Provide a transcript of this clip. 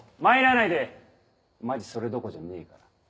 まいらないでマジそれどこじゃねえから。